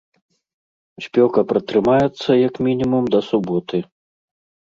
Спёка пратрымаецца, як мінімум, да суботы.